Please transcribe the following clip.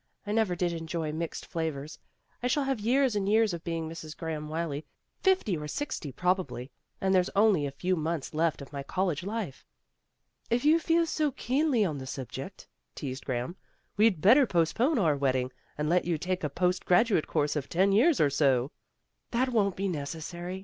I never did enjoy mixed flavors. I shall have years and years of being Mrs. Graham Wylie, fifty or sixty probably, and there's only a few months left of my college life." "If you feel so keenly on the subject," teased Graham, "we'd better postpone our wedding, and let you take a post graduate course of ten years or so." "That won't be necessary.